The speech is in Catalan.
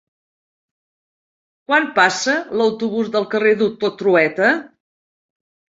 Quan passa l'autobús pel carrer Doctor Trueta?